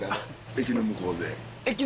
駅の向こうで？